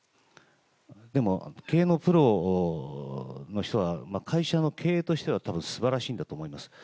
でも、経営のプロの人は、会社の経営としては、たぶんすばらしいんだと思います。